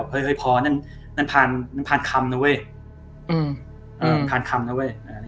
พอนั่นพาลคำนะเว้ย